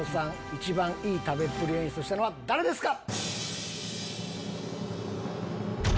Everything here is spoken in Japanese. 一番いい食べっぷりを演出したのは誰ですか？